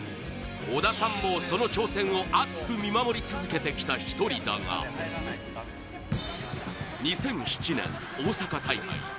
織田さんもその挑戦を熱く見守り続けてきた１人だが２００７年、大阪大会。